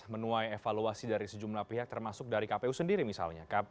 menuai evaluasi dari sejumlah pihak termasuk dari kpu sendiri misalnya